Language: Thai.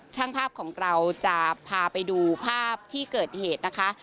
ช่างภาพของเราจะพาไปดูภาพที่เกิดเหตุนะคะ